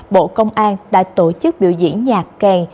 bộ công an đã tổ chức biểu diễn nhạc kèn